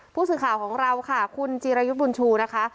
ผู้สื่อข่าวของเราค่ะคุณจีรยุทธ์บุญชูนะคะ